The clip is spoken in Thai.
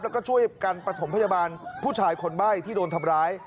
แล้วก็ช่วยกันประถมพยาบาลผู้ชายคนใบ้ที่โดนทำร้าย